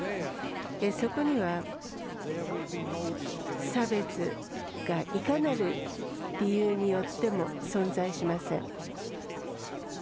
そこには、差別がいかなる理由によっても存在しません。